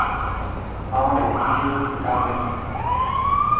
مان وٽ سنڌيءَ جو ڪتاب ائي.